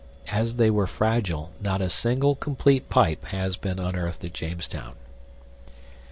As they were fragile, not a single complete pipe has been unearthed at Jamestown.